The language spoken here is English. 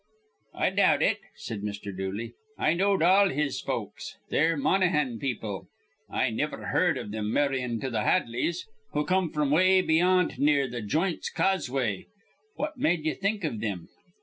"I doubt it," said Mr. Dooley. "I knowed all his folks. They're Monaghan people, an' I niver heerd iv thim marryin' into th' Hadleys, who come fr'm away beyant near th' Joynt's Causeway. What med ye think iv thim?"